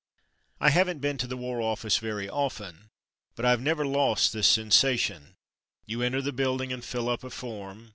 I haven't been to the War Office very often, but I have never lost this sensation. You enter the building and fill up a form.